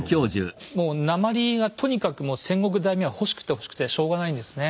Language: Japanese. もう鉛がとにかくもう戦国大名は欲しくて欲しくてしょうがないんですね。